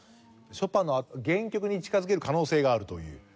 ショパンの原曲に近づける可能性があるという。